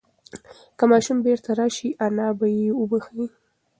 که ماشوم بیرته راشي انا به یې وبښي.